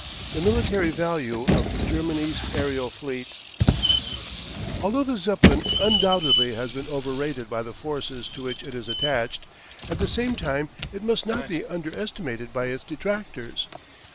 THE MILITARY VALUE OF GERMANY'S AERIAL FLEET Although the Zeppelin undoubtedly has been over rated by the forces to which it is attached, at the same time it must not be under estimated by its detractors.